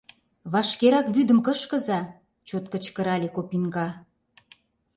— Вашкерак вӱдым кышкыза! — чот кычкырале Копинка.